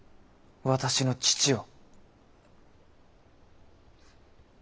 私の父を。